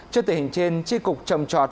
trước tình hình trên tri cục trồng chọt